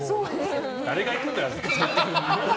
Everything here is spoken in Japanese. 誰が行くんだよ！